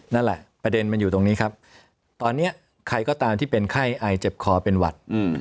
นั่นแหละประเด็นมันอยู่ตรงนี้ครับตอนนี้ใครก็ตามที่เป็นไข้ไอเจ็บคอเป็นหวัด